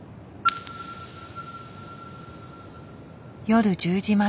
夜１０時前。